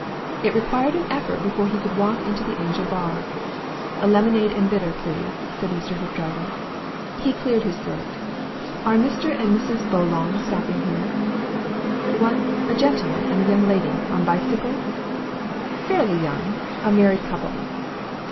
It required an effort before he could walk into the Angel bar. "A lemonade and bitter, please," said Mr. Hoopdriver. He cleared his throat. "Are Mr. and Mrs. Bowlong stopping here?" "What, a gentleman and a young lady on bicycles?" "Fairly young a married couple."